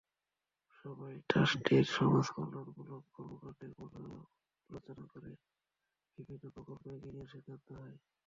সভায় ট্রাস্টের সমাজকল্যাণমূলক কর্মকাণ্ডের পর্যালোচনা করে বিভিন্ন প্রকল্প এগিয়ে নেওয়ার সিদ্ধান্ত হয়।